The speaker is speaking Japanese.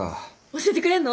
教えてくれんの？